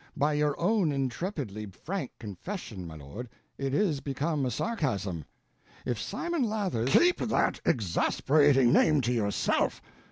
By your own intrepidly frank confession, my lord, it is become a sarcasm: If Simon Lathers—" "Keep that exasperating name to yourself!